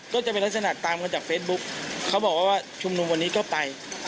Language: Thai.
ก็จะเป็นลักษณะตามกันจากเฟซบุ๊คเขาบอกว่าชุมนุมวันนี้ก็ไป